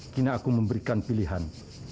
kini aku memberikan pilihan